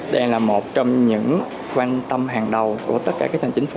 đây là một trong những quan tâm hàng đầu của tất cả các thành chính phủ